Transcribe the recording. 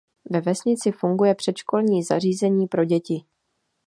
Ve vesnici funguje předškolní zařízení pro děti.